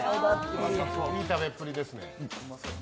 いい食べっぷりですね。